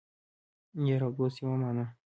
یار او دوست یوه معنی